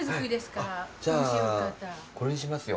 じゃあこれにしますよ。